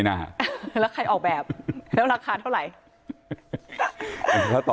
ไม่น่า